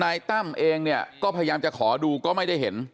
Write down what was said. ธนายตั้มเองเนี่ยก็พยายามคอยดูก็ไม่เห็น